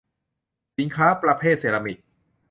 สินค้าประเภทเซรามิก